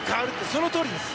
そのとおりです！